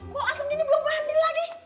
mau asem gini belum mandi lagi